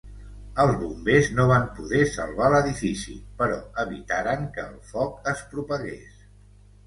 Els bombers no van poder salvar l'edifici, però evitaren que el foc es propagués.